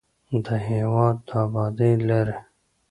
د هېواد د ابادۍ لارې